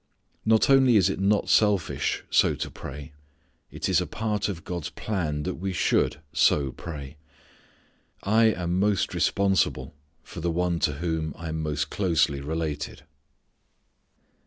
Not only is it not selfish so to pray, it is a part of God's plan that we should so pray. I am most responsible for the one to whom I am most closely related.